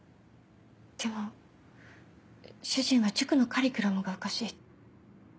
でも主人は塾のカリキュラムがおかしい